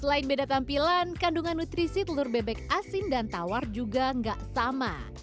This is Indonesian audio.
selain beda tampilan kandungan nutrisi telur bebek asin dan tawar juga nggak sama